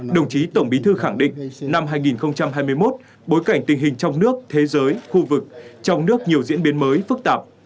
đồng chí tổng bí thư khẳng định năm hai nghìn hai mươi một bối cảnh tình hình trong nước thế giới khu vực trong nước nhiều diễn biến mới phức tạp